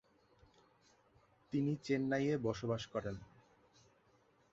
তিনি চেন্নাইয়ে বসবাস করেন।